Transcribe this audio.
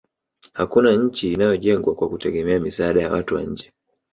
hakuna nchi inayojengwa kwa kutegemea misaada ya watu wa nje